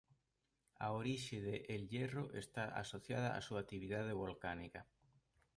A orixe de El Hierro está asociada á súa actividade volcánica.